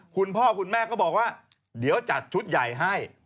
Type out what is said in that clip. คุณพ่อคุณแม่ก็บอกว่าเดี๋ยวจัดชุดใหญ่ให้